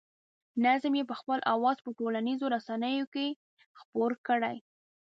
نظم یې په خپل اواز په ټولنیزو رسنیو کې خپور کړی.